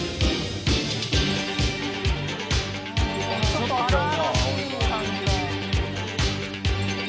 ちょっと荒々しい感じが。